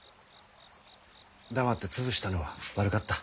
黙って潰したのは悪かった。